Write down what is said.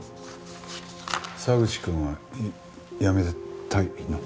沢口くんは辞めたいの？